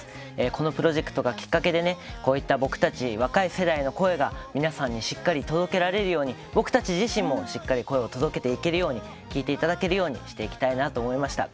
このプロジェクトがきっかけでこういった僕たち若い世代の声が皆さんにしっかり届けられるように僕たち自身もしっかり声を届けていけるように聞いていただけるようにしていきたいなと思いました。